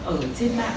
ở trên mạng